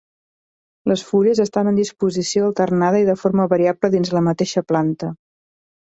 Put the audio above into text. Les fulles estan en disposició alternada i de forma variable dins la mateixa planta.